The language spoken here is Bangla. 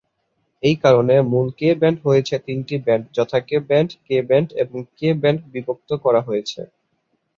এই কারণে মূল কে ব্যান্ড হয়েছে তিনটি ব্যান্ড যথা কে ব্যান্ড, কে ব্যান্ড, এবং কে ব্যান্ড বিভক্ত করা হয়েছে।